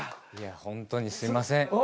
いやほんとにすいません。